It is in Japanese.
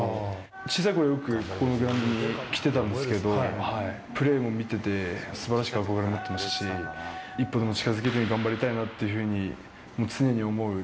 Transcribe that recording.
小さいころよく、このグラウンドに来てたんですけど、プレーも見てて、すばらしいなと憧れ持ってましたし、一歩でも近づけるように頑張りたいなっていうふうに常に思う。